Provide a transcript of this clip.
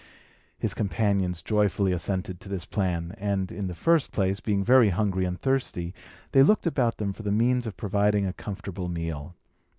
His companions joyfully assented to this plan; and, in the first place, being very hungry and thirsty, they looked about them for the means of providing a comfortable meal.